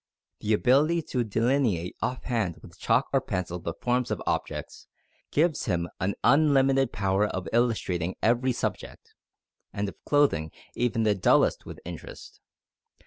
The ability to delineate off hand with chalk or pencil the forms of objects, gives him an unlimited power of illustrating every subject, and of clothing even the dullest with interest.